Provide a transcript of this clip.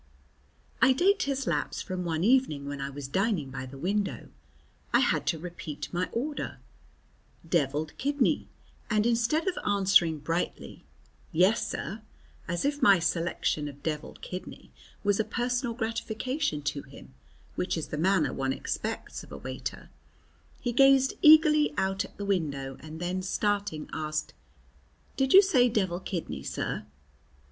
I date his lapse from one evening when I was dining by the window. I had to repeat my order "Devilled kidney," and instead of answering brightly, "Yes, sir," as if my selection of devilled kidney was a personal gratification to him, which is the manner one expects of a waiter, he gazed eagerly out at the window, and then, starting, asked, "Did you say devilled kidney, sir?"